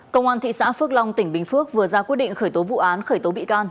công an thị xã phước long tỉnh bình phước vừa ra quyết định khởi tố vụ án khởi tố bị can